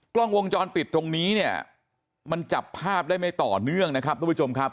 กล้องวงจรปิดตรงนี้เนี่ยมันจับภาพได้ไม่ต่อเนื่องนะครับทุกผู้ชมครับ